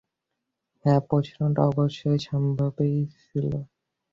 হ্যাঁ, প্রশ্নটা অবশ্যম্ভাবীই ছিল।